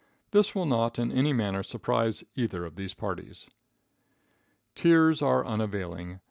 This will not in any manner surprise either of these parties. Tears are unavailing.